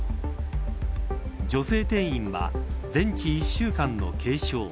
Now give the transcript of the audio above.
女性店員は全治１週間の軽傷。